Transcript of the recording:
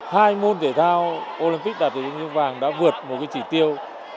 hai môn thể thao olympic đạt được huy chương vàng đã vượt một chỉ tiêu